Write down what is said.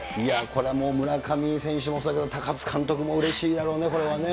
これもう、村上選手もそうだけど、高津監督もうれしいだろうね、これはね。